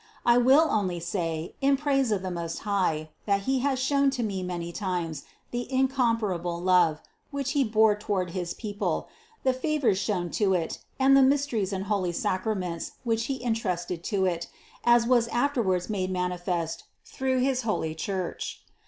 I will only say, in praise of the Most 132 CITY OF GOD High, that He has shown to me many times the incom parable love, which He bore toward his people, the fa vors shown to it, and the mysteries and holy Sacraments, which He entrusted to it, as was afterwards made mani fest through his holy Church.